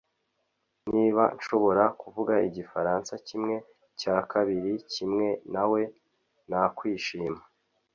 Niba nshobora kuvuga igifaransa kimwe cya kabiri kimwe nawe nakwishima